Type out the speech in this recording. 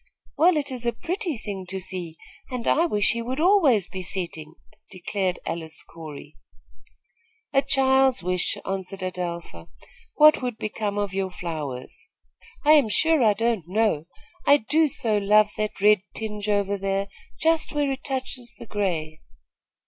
"Well, it is a pretty thing to see, and I wish he would always be setting," declared Alice Corey. "A child's wish," answered Adelpha. "What would become of your flowers?" "I am sure I don't know. I do so love that red tinge over there, just where it touches the gray."